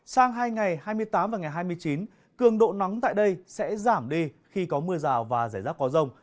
sang hai ngày hai mươi tám và ngày hai mươi chín cường độ nắng tại đây sẽ giảm đi khi có mưa rào và rải rác có rông